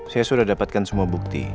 saya sudah dapatkan semua bukti